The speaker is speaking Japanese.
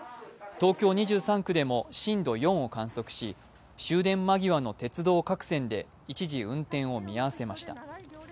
東京２３区でも震度４を観測し終電間際の鉄道各線で一時運転を見合せました。